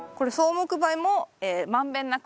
木灰も満遍なく？